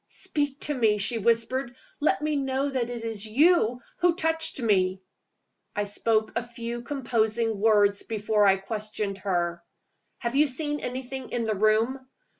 "Speak to me!" she whispered. "Let me know that it is you who touched me." I spoke a few composing words before I questioned her. "Have you seen anything in the room?"